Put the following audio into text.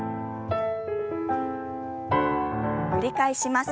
繰り返します。